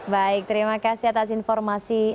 baik terima kasih atas informasi